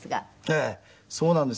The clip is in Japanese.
ええそうなんです。